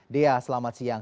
dea selamat siang